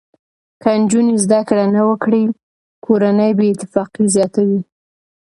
که نجونې زده کړه نه وکړي، کورنۍ بې اتفاقي زیاته وي.